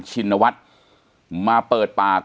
ชินวัฒน์มาเปิดปาก